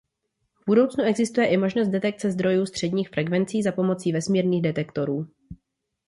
V budoucnu existuje i možnost detekce zdrojů středních frekvencí za pomoci vesmírných detektorů.